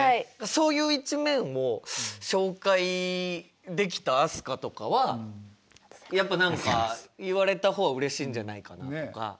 そういう一面も紹介できた飛鳥とかはやっぱ何か言われた方はうれしいんじゃないかなとか。